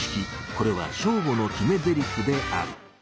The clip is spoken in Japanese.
これはショーゴの決めぜりふである。